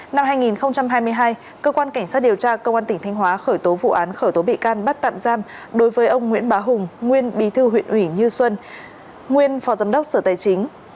năm hai nghìn hai mươi hai cơ quan cảnh sát điều tra công an tỉnh thanh hóa khởi tố vụ án khởi tố bị can bắt tạm giam đối với ông nguyễn bá hùng nguyên bí thư huyện ủy như xuân nguyên phó giám đốc sở tài chính